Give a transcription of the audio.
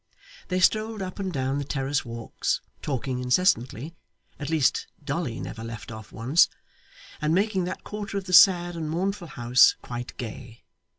They strolled up and down the terrace walks, talking incessantly at least, Dolly never left off once and making that quarter of the sad and mournful house quite gay.